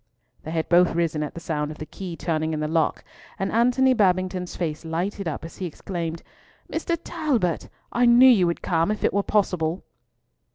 They had both risen at the sound of the key turning in the lock, and Antony Babington's face lighted up as he exclaimed, "Mr. Talbot! I knew you would come if it were possible."